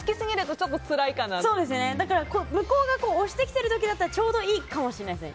向こうが押してきてる時ならちょうどいいかもしれないですね。